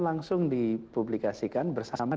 langsung dipublikasikan bersama